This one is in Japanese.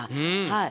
はい。